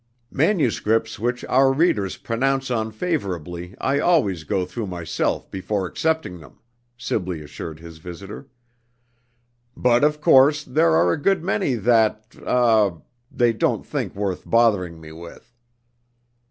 "Manuscripts which our readers pronounce on favorably I always go through myself before accepting them," Sibley assured his visitor. "But of course, there are a good many that er they don't think worth bothering me with."